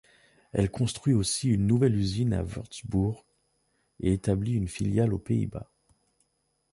Elle construit aussi une nouvelle usine à Wurtzbourg et établit une filiale aux Pays-Bas.